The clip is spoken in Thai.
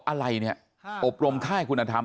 อะไรเนี่ยอบรมค่ายคุณธรรม